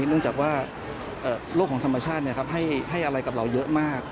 เนื่องจากว่าโรคของธรรมชาติให้อะไรกับเราเยอะมาก